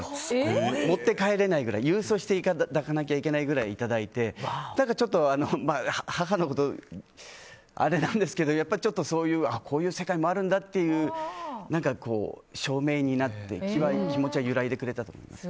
１年分とかで郵送していただかなきゃいけないぐらいいただいてだからちょっと母のこと、あれなんですけどちょっとこういう世界もあるんだっていう証明になって、気持ちが揺らいでくれたと思います。